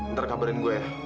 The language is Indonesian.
ntar kabarin gue ya